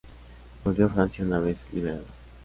Volvió a Francia una vez liberada.